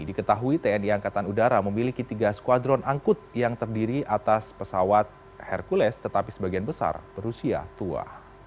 diketahui tni angkatan udara memiliki tiga skuadron angkut yang terdiri atas pesawat hercules tetapi sebagian besar berusia tua